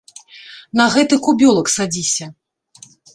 На гэты кубёлак садзіся.